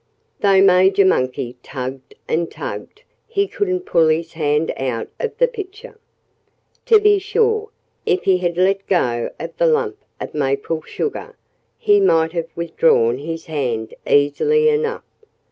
Though Major Monkey tugged and tugged, he couldn't pull his hand out of the pitcher. To be sure, if he had let go of the lump of maple sugar he might have withdrawn his hand easily enough.